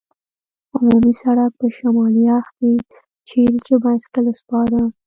عمومي سړک په شمالي اړخ کې، چېرې چې بایسکل سپاره.